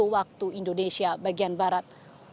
waktu indonesia bagian barat